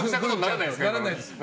ならないです。